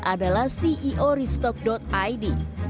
adalah ceo ristok id